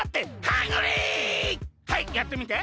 はいやってみて。